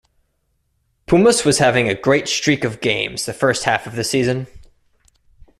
Pumas was having a great streak of games the first half of the season.